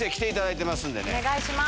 お願いします。